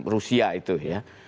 rusia itu ya